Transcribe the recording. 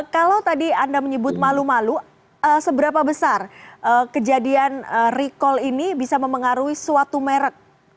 kalau tadi anda menyebut malu malu seberapa besar kejadian recall ini bisa mempengaruhi suatu merek